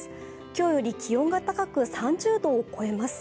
今日より気温が高く３０度を超えます。